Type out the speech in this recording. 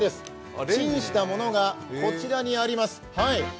チンしたものがこちらにあります。